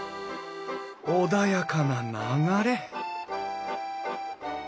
穏やかな流れ